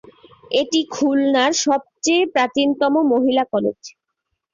এটি খুলনার সবচেয়ে প্রাচীনতম মহিলা কলেজ।